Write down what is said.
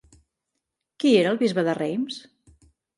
Qui era el bisbe de Reims?